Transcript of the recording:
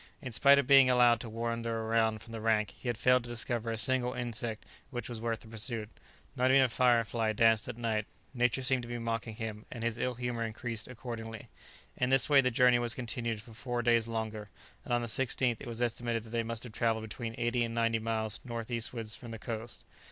In spite of being allowed to wander away from the rank, he had failed to discover a single insect which was worth the pursuit; not even a fire fly danced at night; nature seemed to be mocking him, and his ill humour increased accordingly. In this way the journey was continued for four days longer, and on the 16th it was estimated that they must have travelled between eighty and ninety miles north eastwards from the coast.